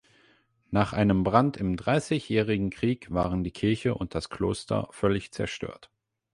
Nach einem Brand im Dreißigjährigen Krieg waren die Kirche und das Kloster völlig zerstört.